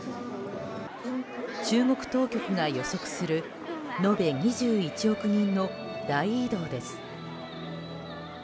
中国当局が予測する延べ２１億人の大移動です。